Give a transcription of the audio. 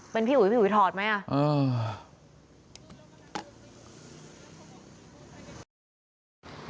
เป็นพี่อุ๋ยพี่อุ๋ยถอดไหมอ่ะ